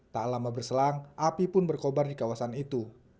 tak lama berselang api pun berkobar di kawasan itu